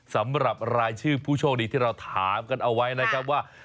สำหรับรายชื่อผู้โชคดีที่เราถามกันเอาไว้นะครับว่า